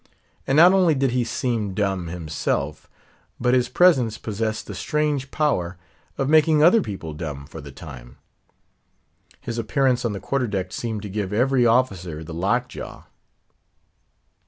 And not only did he seem dumb himself, but his presence possessed the strange power of making other people dumb for the time. His appearance on the Quarter deck seemed to give every officer the lock jaw.